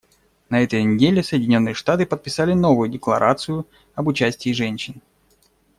На этой неделе Соединенные Штаты подписали новую декларацию об участии женщин.